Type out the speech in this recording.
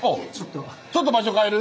ちょっと場所変える？